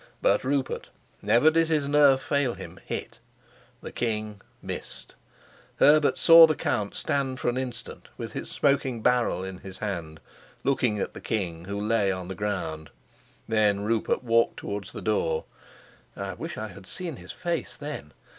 But Rupert never did his nerve fail him hit, the king missed; Herbert saw the count stand for an instant with his smoking barrel in his hand, looking at the king, who lay on the ground. Then Rupert walked towards the door. I wish I had seen his face then!